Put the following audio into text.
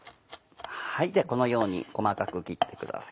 このように細かく切ってください。